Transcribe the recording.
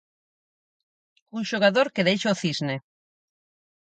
Un xogador que deixa o Cisne.